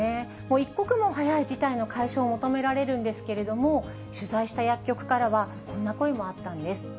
一刻も早い事態の解消を求められるんですけれども、取材した薬局からは、こんな声もあったんです。